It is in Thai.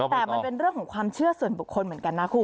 แต่มันเป็นเรื่องของความเชื่อส่วนบุคคลเหมือนกันนะคุณ